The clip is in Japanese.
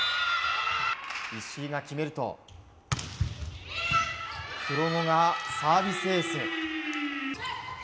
石井が決めると黒後がサービスエース。